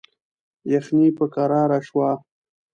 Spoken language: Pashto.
یخني په کراره شوه.